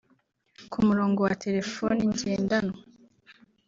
Ku murongo wa Telefoni ngendanwa